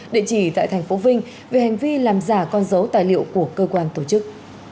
địa chỉ tại tp vinh về hành vi làm giả con dấu tài liệu của cơ quan tổ chức